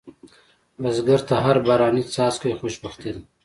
بزګر ته هر باراني څاڅکی خوشبختي ده